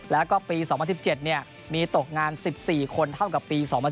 แล้วก็ปี๒๐๑๗มีตกงาน๑๔คนเท่ากับปี๒๐๑๖